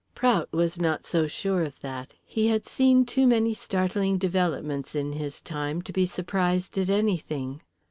Prout was not so sure of that. He had seen too many startling developments in his time to be surprised at anything.